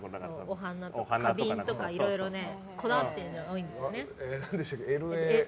お花とか、花瓶とかいろいろこだわっているのが何でしたっけ？